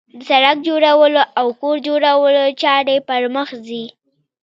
د سړک جوړولو او کور جوړولو چارې پرمخ ځي